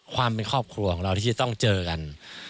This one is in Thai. ความเป็นครอบครัวของเราที่จะต้องเจอกัน